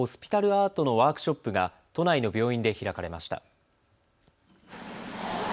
アートのワークショップが都内の病院で開かれました。